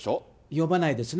呼ばないですね。